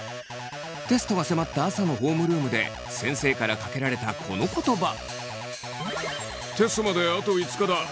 テストが迫った朝のホームルームで先生からかけられたこの言葉。